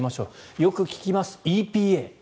よく聞きます、ＥＰＡ。